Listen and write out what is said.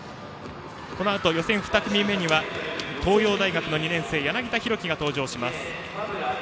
予選２組目には東洋大学２年生柳田大輝が登場します。